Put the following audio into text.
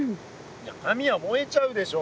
いや紙は燃えちゃうでしょ。